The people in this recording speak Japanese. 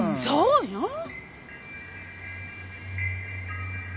そうよ。